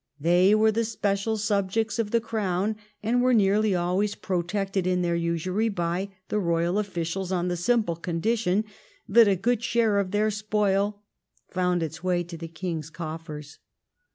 They were the special sub jects of the Crown, and were nearly always protected in their usury by the royal officials, on the simple condition that a good share of their spoil found its Avay to the king's coffers.